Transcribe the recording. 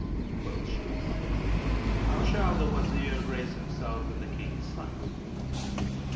Quoth Shimas, "How shall the Wazir grace himself in the King's sight."